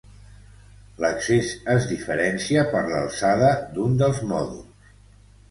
L'accés es diferencia per l'alçada d'un dels mòduls.